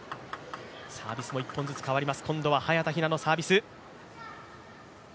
サービスも１本ずつ変わります。